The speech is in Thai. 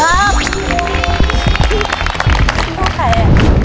เท่าสาร๑๐๐กิโลกรัมครับ